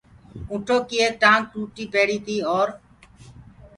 اُنٚٺوڪي ايڪ ٽآنٚگ ٽوٽي پيڙيٚ تي اورَ